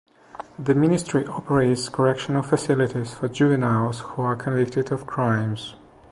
The ministry operates correctional facilities for juveniles who are convicted of crimes.